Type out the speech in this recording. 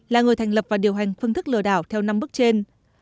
là người thành lập và điều hành phương thức lừa đảo theo năm bước trên